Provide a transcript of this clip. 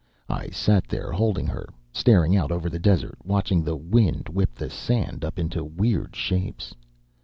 I sat there, holding her, staring out over the desert, watching the wind whip the sand up into weird shapes.